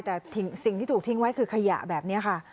แต่สิ่งที่ถูกทิ้งไว้คือขยะแบบนี้ค่ะ